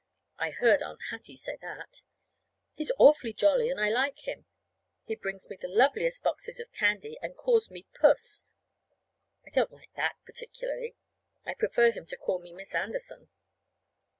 (I heard Aunt Hattie say that.) He's awfully jolly, and I like him. He brings me the loveliest boxes of candy, and calls me Puss. (I don't like that, particularly. I'd prefer him to call me Miss Anderson.)